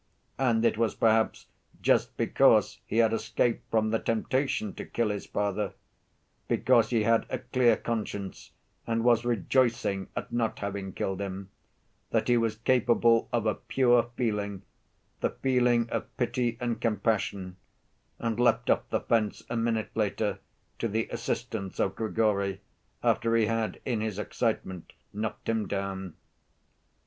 And it was perhaps just because he had escaped from the temptation to kill his father, because he had a clear conscience and was rejoicing at not having killed him, that he was capable of a pure feeling, the feeling of pity and compassion, and leapt off the fence a minute later to the assistance of Grigory after he had, in his excitement, knocked him down.